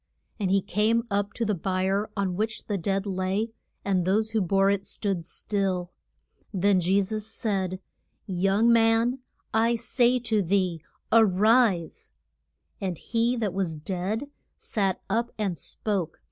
] And he came up to the bier on which the dead lay, and those who bore it stood still. Then Je sus said, Young man, I say to thee a rise. And he that was dead sat up and spoke.